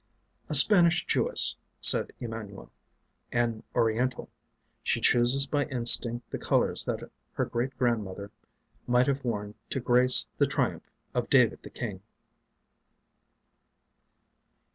"A Spanish Jewess," said Emanuel. "An Oriental. She chooses by instinct the colors that her great grandmother might have worn to grace the triumph of David the King."